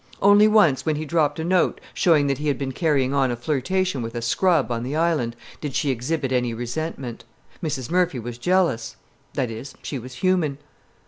Only once, when he dropped a note showing that he had been carrying on a flirtation with a "scrub" on the Island, did she exhibit any resentment. Mrs. Murphy was jealous; that is, she was human.